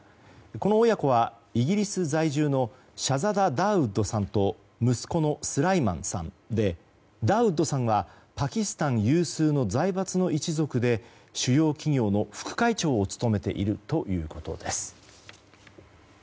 この親子はイギリス在住のシャザダ・ダーウッドさんと息子のスライマンさんでダーウッドさんはパキスタン有数の財閥の一族で主要企業の副会長を務めているということです。